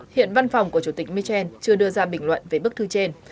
hiện văn phòng của chủ tịch michel chưa đưa ra bình luận về bức thư trên